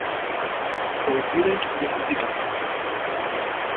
Паузирај ја музиката!